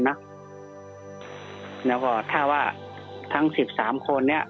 แล้วก็ถ้าว่าทั้ง๑๓คนเนี่ย